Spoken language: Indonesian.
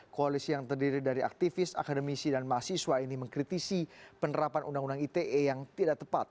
koalisi yang terdiri dari aktivis akademisi dan mahasiswa ini mengkritisi penerapan undang undang ite yang tidak tepat